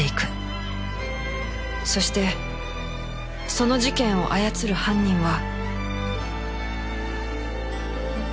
そしてその事件を操る犯人は